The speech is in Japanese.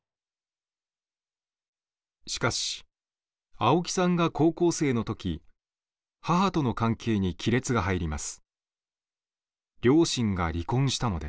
しかし青木さんが高校生の時母との関係に亀裂が入ります。